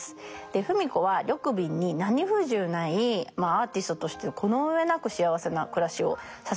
芙美子は緑敏に何不自由ないアーティストとしてこの上なく幸せな暮らしをさせたのではないでしょうか。